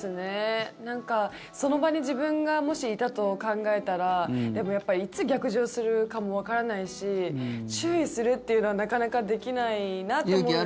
なんか、その場に自分がもし、いたと考えたらでも、やっぱりいつ逆上するかもわからないし注意するというのはなかなかできないなと思う。